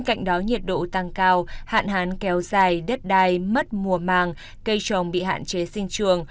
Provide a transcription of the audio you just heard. cạnh đó nhiệt độ tăng cao hạn hán kéo dài đất đai mất mùa màng cây trồng bị hạn chế sinh trường